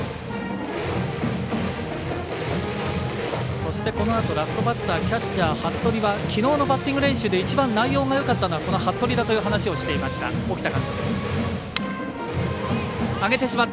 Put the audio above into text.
そして、このあとラストバッター、キャッチャー服部はきのうのバッティング練習で一番内容がよかったのは服部だというお話をしていました沖田監督。